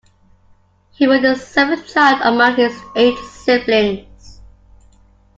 He was the seventh child among his eight siblings.